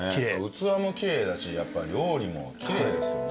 器もキレイだしやっぱ料理もキレイですよね。